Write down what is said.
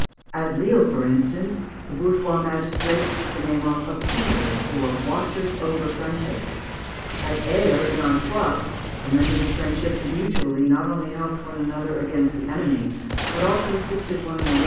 At Lisle, for instance, the bourgeois magistrates took the name of appeasers, or watchers over friendship. At Aire, in Artois, the members of friendship mutually, not only helped one another against the enemy, but also assisted one another in distress.